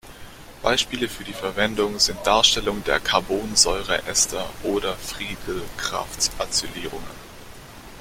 Beispiele für die Verwendung sind Darstellung der Carbonsäureester oder Friedel-Crafts-Acylierungen.